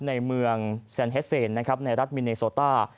ในเมืองแซนเฮสเซนในรัฐมิเนโซตา